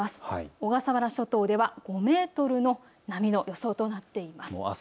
小笠原諸島では５メートルの波の予想となっています。